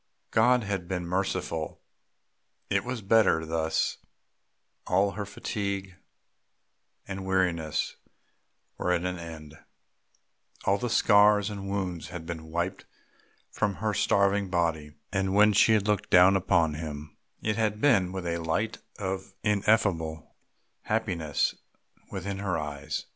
God had been merciful; it was better thus; all her fatigue and weariness were at an end, all the scars and wounds had been wiped from her starving body, and when she had looked down upon him it had been with a light of ineffable happiness within her eyes.